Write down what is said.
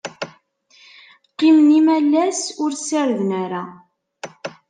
Qqimen imalas ur ssarden ara.